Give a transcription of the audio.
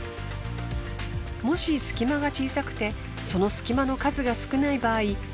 もし隙間が小さくてその隙間の数が少ない場合